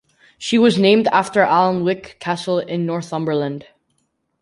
She was named after Alnwick Castle in Northumberland.